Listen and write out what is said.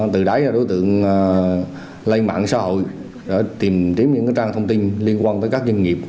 từ đấy đối tượng lên mạng xã hội để tìm kiếm những trang thông tin liên quan tới các doanh nghiệp